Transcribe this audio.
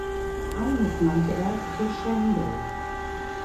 Eines nannte er "Crescendo".